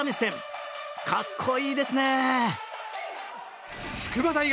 かっこいいですね